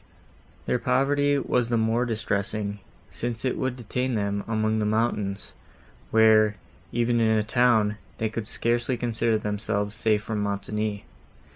Their poverty was the more distressing, since it would detain them among the mountains, where, even in a town, they could scarcely consider themselves safe from Montoni.